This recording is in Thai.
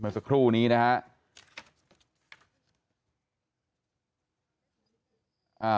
เมื่อสักครู่นี้นะคะ